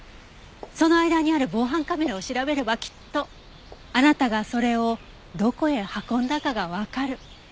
その間にある防犯カメラを調べればきっとあなたがそれをどこへ運んだかがわかる。